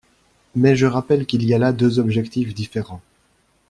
Mais je rappelle qu’il y a là deux objectifs différents.